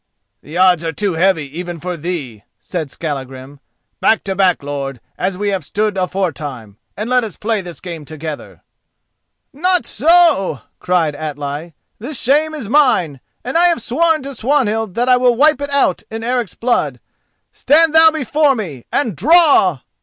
"The odds are too heavy even for thee," said Skallagrim. "Back to back, lord, as we have stood aforetime, and let us play this game together." "Not so," cried Atli, "this shame is mine, and I have sworn to Swanhild that I will wipe it out in Eric's blood. Stand thou before me and draw!"